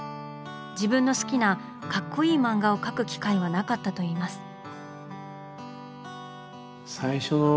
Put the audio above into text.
自分の好きな「カッコいい漫画」を描く機会はなかったといいます。